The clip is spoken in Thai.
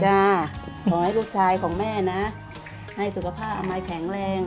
ขอให้ลูกชายของแม่นะให้สุขภาพอมัยแข็งแรง